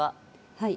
はい。